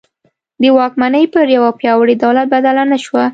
د واکمني پر یوه پیاوړي دولت بدله نه شوه.